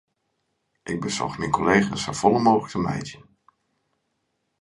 Ik besocht myn kollega's safolle mooglik te mijen.